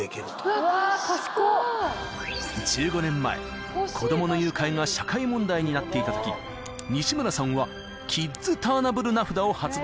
［１５年前子供の誘拐が社会問題になっていたとき西村さんはキッズターナブル名札を発売］